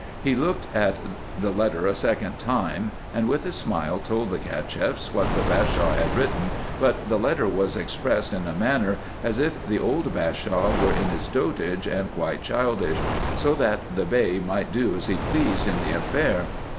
He looked at the letter a second time ; and, with a smile, told the Cacheffs what the Bashaw had written, but the letter was expressed in a manner as if the old Bashaw were in his dotage and quite childish ; so that the Bey might do as he pleased in the affair.